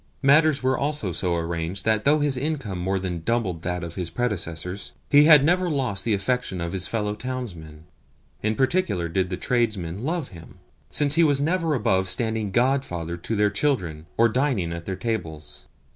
Matters were also so arranged that though his income more than doubled that of his predecessors, he had never lost the affection of his fellow townsmen. In particular did the tradesmen love him, since he was never above standing godfather to their children or dining at their tables.